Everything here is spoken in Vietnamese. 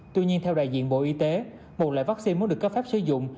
tuy nhiên theo đại diện bộ y tế một loại vaccine mới được cấp phép sử dụng